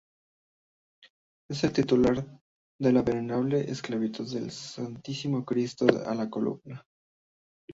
Es el titular de la "Venerable Esclavitud del Santísimo Cristo a la columna".